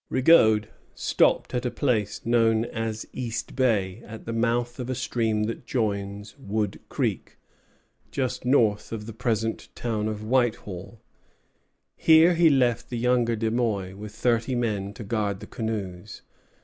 Rigaud stopped at a place known as East Bay, at the mouth of a stream that joins Wood Creek, just north of the present town of Whitehall. Here he left the younger De Muy, with thirty men, to guard the canoes.